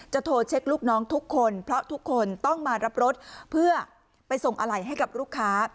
โทรเช็คลูกน้องทุกคนเพราะทุกคนต้องมารับรถเพื่อไปส่งอะไหล่ให้กับลูกค้า